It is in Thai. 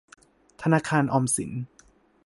ธนาคารออมสิน